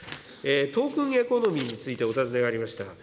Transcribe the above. トークンエコノミーについてお尋ねがありました。